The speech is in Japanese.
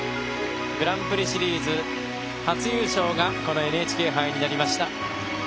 グランプリシリーズ初優勝がこのＮＨＫ杯になりました。